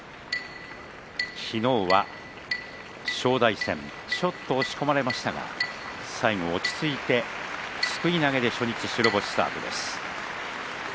昨日は正代戦ちょっと押し込まれましたが最後、落ち着いてすくい投げで初日白星スタートです。